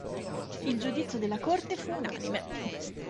Il giudizio della corte fu unanime.